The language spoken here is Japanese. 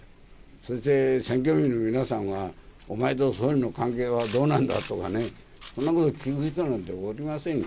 そして選挙人の皆さんがお前と総理の関係はどうなんだとかね、そんなこと気にする人おりませんよ。